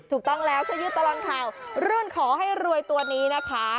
ถูกต้องแล้วถ้ายืดตลอดข่าวรื่นขอให้รวยตัวนี้นะคะ